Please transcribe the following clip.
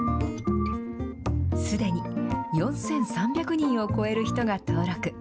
すでに４３００人を超える人が登録。